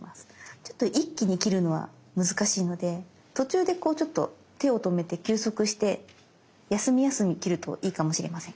ちょっと一気に切るのは難しいので途中でこうちょっと手を止めて休息して休み休み切るといいかもしれません。